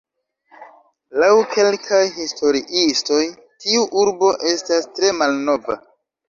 Laŭ kelkaj historiistoj tiu urbo estas tre malnova.